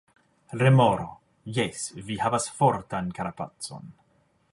Remoro: "Jes, vi havas fortan karapacon."